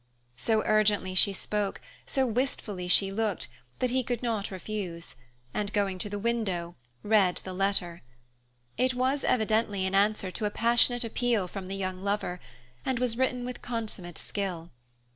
So urgently she spoke, so wistfully she looked, that he could not refuse and, going to the window, read the letter. It was evidently an answer to a passionate appeal from the young lover, and was written with consummate skill.